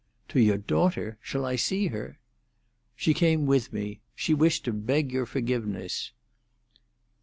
"To your daughter? Shall I see her?" "She came with me. She wished to beg your forgiveness."